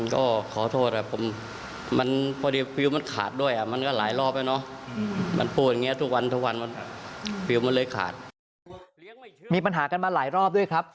ก็ขอโทษค่ะโปรดีมันขาดด้วยมันก็หลายรอบด้วยเนอะ